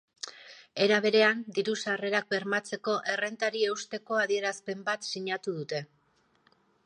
Era berean, diru-sarrerak bermatzeko errentari eusteko adierazpen bat sinatu dute.